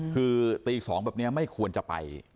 คือตี๒แบบนี้ไม่ควรจะไป